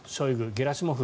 ゲラシモフ！